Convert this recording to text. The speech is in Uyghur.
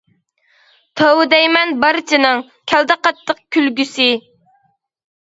توۋا دەيمەن بارچىنىڭ، كەلدى قاتتىق كۈلگۈسى.